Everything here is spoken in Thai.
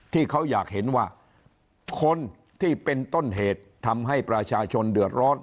ที่เขาอยากเห็นว่าคนที่เป็นต้นเหตุทำให้ประชาชนเดือดร้อน